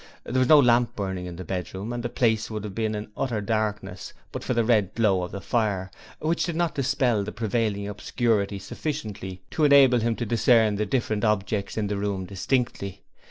There was no lamp burning in the bedroom and the place would have been in utter darkness but for the red glow of the fire, which did not dispel the prevailing obscurity sufficiently to enable him to discern the different objects in the room distinctly.